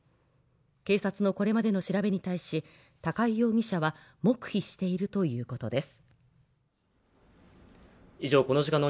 警察のこれまでの調べに対し、高井容疑者は黙秘しているということです。